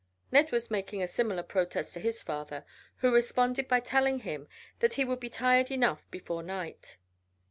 Ned was making a similar protest to his father, who responded by telling him that he would be tired enough before night.